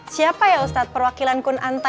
siapa ya ustadz perwakilan kun anta